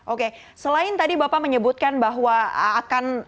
oke selain tadi bapak menyebutkan bahwa akan